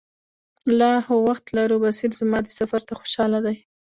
لا خو وخت لرو، بصیر زما دې سفر ته خوشاله دی.